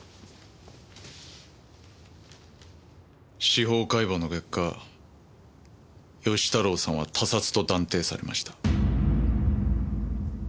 司法解剖の結果義太郎さんは他殺と断定されました。